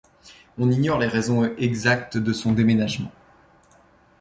On ignore les raisons exactes de son déménagement.